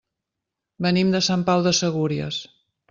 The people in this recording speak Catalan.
Venim de Sant Pau de Segúries.